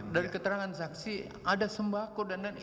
dari keterangan saksi ada sembako dan lain lain